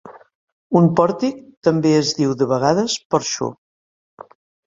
Un pòrtic també es diu de vegades porxo.